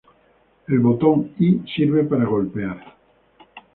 El botón "Y" sirve para golpear.